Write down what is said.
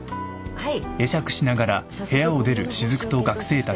はい。